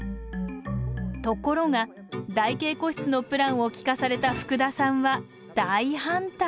ところが台形個室のプランを聞かされた福田さんは大反対！